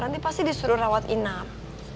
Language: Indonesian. nanti pasti disuruh rawat inap